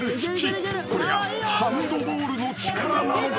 ［これがハンドボールの力なのか？］